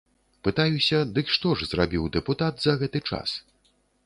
Пытаюся, дык што ж зрабіў дэпутат за гэты час?